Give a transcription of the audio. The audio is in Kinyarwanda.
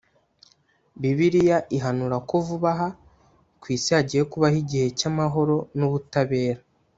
bibiliya ihanura ko vuba aha ku isi hagiye kubaho igihe cy’amahoro n’ubutabera